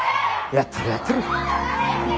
やっとるやっとる。